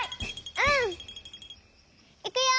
うん！いくよ！